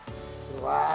うわ！